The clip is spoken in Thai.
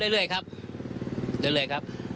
เรื่อยครับเรื่อยครับ